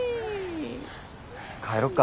帰ろうか。